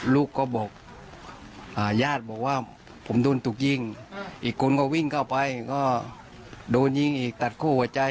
ลูกก็บอกญาติบอกว่าผมโดนถูกยิงอีกคนก็วิ่งเข้าไปก็โดนยิงอีกตัดคู่หัวใจ